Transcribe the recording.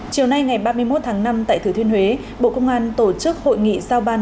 chiều nay ngày ba mươi một tháng năm tại thừa thuyên huế bộ công an tổ chức hội nghị giao ban